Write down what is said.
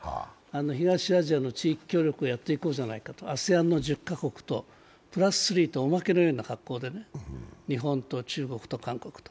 東アジアの地域協力をやっていこうじゃないかと、ＡＳＥＡＮの１０か国と、プラス３とおまけのような格好で、日本と中国と韓国と。